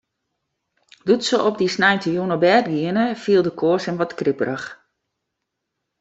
Doe't se op dy sneintejûn op bêd giene, fielde Koos him wat griperich.